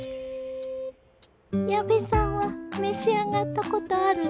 矢部さんは召し上がったことあるの？